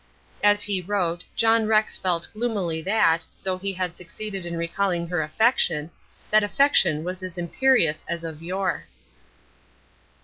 As he wrote, John Rex felt gloomily that, though he had succeeded in recalling her affection, that affection was as imperious as of yore.